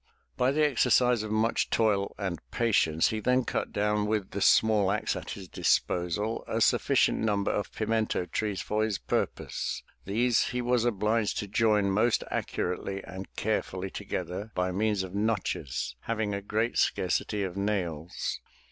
By the exercise of much toil and patience, he then cut down with the small axe at his disposal, a sufficient number of pimento trees for his purpose. These he was obliged to join most accur ately and carefully together by means of notches, having a great scarcity of nails.